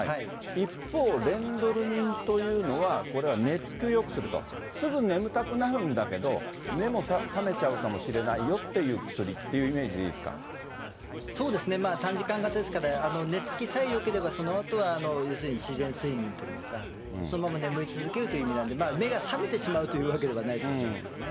一方、レンドルミンというのは、これは寝つきをよくすると、すぐ眠たくなるんだけど、目も覚めちゃうかもしれないよっていう薬っていうイメージでいいそうですね、短時間型ですから、寝つきさえよければ、そのあとは要するに自然睡眠というか、そのまま眠り続けるという意味なんで、まあ、目が覚めてしまうというわけではないと思いますけどね。